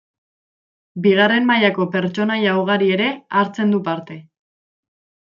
Bigarren mailako pertsonaia ugari ere hartzen du parte.